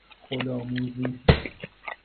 خودآموزی